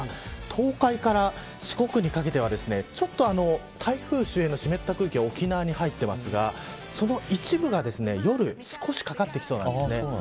東海から四国にかけては台風の湿った空気が沖縄に入っていますがその一部が夜に少しかかってきそうです。